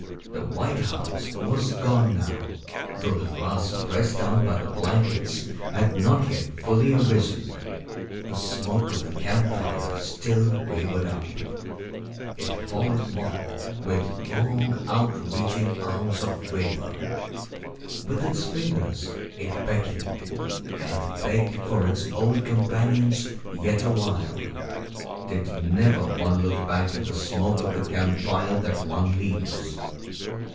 The white house was gone now, though the grass pressed down by the blankets had not yet fully arisen. The smoke of the camp fire still wavered up. It followed one, with long, out reaching arms of vapor. With its fingers it beckoned and begged for its old companions yet a while. Did never one look back at the smoke of the camp fire that one leaves?